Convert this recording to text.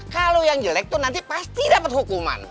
kalo yang jelek tuh nanti pasti dapet hukuman